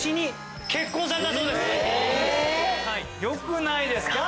よくないですか？